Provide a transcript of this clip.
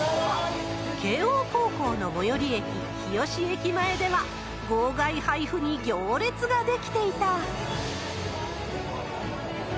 慶応高校の最寄り駅、日吉駅前では、号外配布に行列が出来ていた。